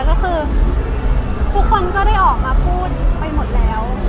กลุ่มคนก็ได้ออกมาพูดไปหมดแล้ว